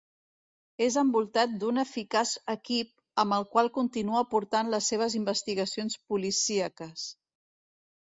És envoltat d'un eficaç equip amb el qual continua portant les seves investigacions policíaques.